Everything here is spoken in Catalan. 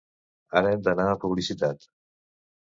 Ara hem d'anar a publicitat.